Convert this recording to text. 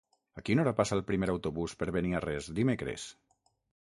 A quina hora passa el primer autobús per Beniarrés dimecres?